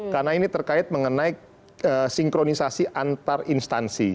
karena ini terkait mengenai sinkronisasi antar instansi